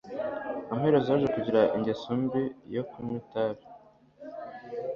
Amaherezo yaje kugira ingeso mbi yo kunywa itabi.